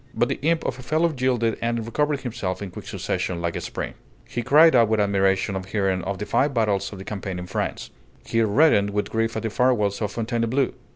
But the imp of a fellow yielded and recovered himself in quick succession like a spring. He cried out with admiration on hearing of the five battles of the campaign in France; he reddened with grief at the farewells of Fontainebleau.